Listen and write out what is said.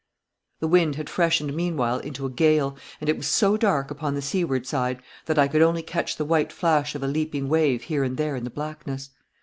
The wind had freshened meanwhile into a gale, and it was so dark upon the seaward side that I could only catch the white flash of a leaping wave here and there in the blackness.